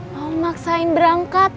mau maksain berangkat